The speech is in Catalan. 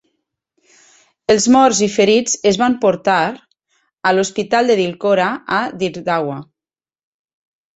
Els morts i ferits es van portar a l'hospital Dil-chora, a Dire Dawa.